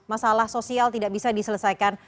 masalah sosial tidak bisa diselesaikan